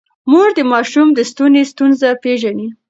مور د ماشوم د ستوني ستونزه پېژني.